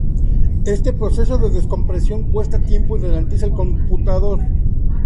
Este proceso de descompresión cuesta tiempo y ralentiza el computador.